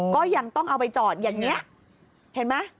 ก็ยังต้องเอาไปจอดอย่างนี้เห็นไหม